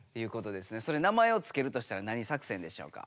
それ名前をつけるとしたら何作戦でしょうか？